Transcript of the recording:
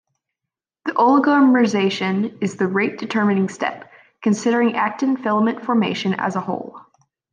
The oligomerization is the rate-determining step, considering actin filament formation as a whole.